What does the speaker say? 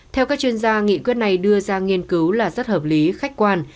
theo các chuyên gia nghị quyết này đưa ra nghiên cứu là rất hợp lý khách quan